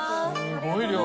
すごい量。